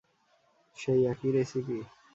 সেই একই রেসিপি?